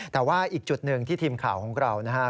แต่ว่าอีกจุดหนึ่งที่ทีมข่าวของเรานะฮะ